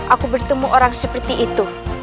aku bertemu orang seperti itu